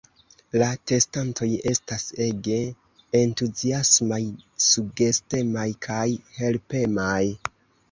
La testantoj estas ege entuziasmaj, sugestemaj kaj helpemaj.